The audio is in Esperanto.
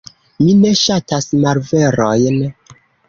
Mi ne ŝatas malverojn.